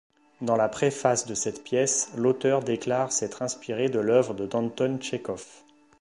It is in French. Dans la préface de cette pièce, l'auteur déclare s'être inspiré de l'œuvre d'Anton Tchekhov.